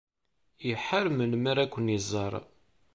Iḥar melmi ara ken-iẓer.